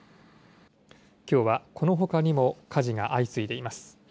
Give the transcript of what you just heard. きょうはこのほかにも火事が相次いでいます。